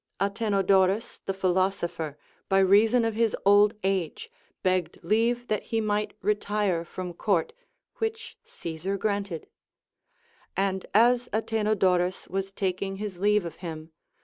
Athenodorus the philosopher, by reason of his old age, begged leave that he might retire from court, which Caesar granted ; and as Athenodorus was taking his leave of him.